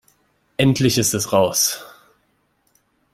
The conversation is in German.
Endlich ist es raus!